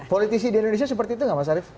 politisi di indonesia seperti itu nggak mas arief